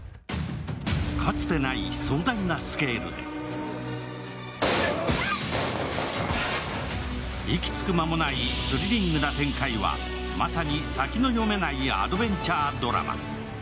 かつてない壮大なスケールで息つく間もないスリリングな展開はまさに先の読めないアドベンチャードラマ。